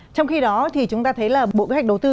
trong khi đó thì chúng ta thấy là bộ kế hoạch đầu tư